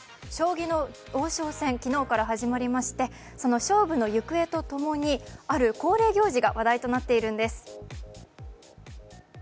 将棋の王将戦、昨日から始まりましてその勝負の行方とともに、ある恒例行事が話題となっているんです。